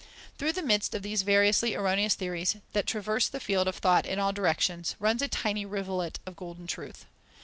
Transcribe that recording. Through the midst of these variously erroneous theories, that traverse the field of thought in all directions, runs a tiny rivulet of golden truth.